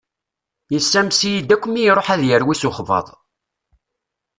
Yessames-iyi-d akk mi iṛuḥ ad yerwi s uxebbaḍ.